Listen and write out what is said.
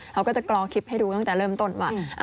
เราก็จะกรอคลิปให้ดูตั้งแต่เริ่มต้นว่า